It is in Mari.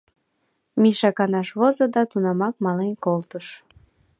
Миша канаш возо да тунамак мален колтыш.